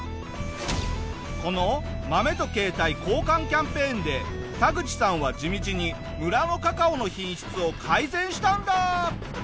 この豆と携帯交換キャンペーンでタグチさんは地道に村のカカオの品質を改善したんだ！